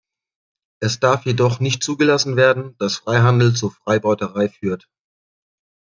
Es darf jedoch nicht zugelassen werden, dass Freihandel zur Freibeuterei führt.